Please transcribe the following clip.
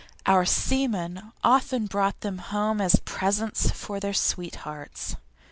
Our seamen often brought them home as presents for their sweethearts.